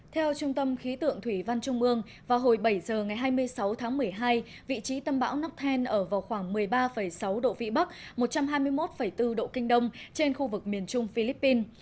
theo trung tâm khí tượng thủy văn trung ương vào hồi bảy giờ ngày hai mươi sáu tháng một mươi hai vị trí tâm bão nắp thêm ở vào khoảng một mươi ba sáu độ vĩ bắc một trăm hai mươi một bốn độ kinh đông trên khu vực miền trung philippines